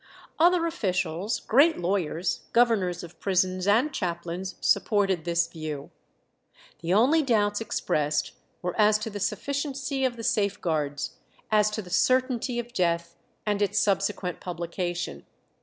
Other officials, great lawyers, governors of prisons, and chaplains supported this view. The only doubts expressed were as to the sufficiency of the safeguards, as to the certainty of death and its subsequent publication.